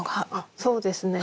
そうですね。